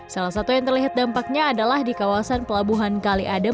salah satu yang terlihat dampaknya adalah di kawasan pelabuhan kali adem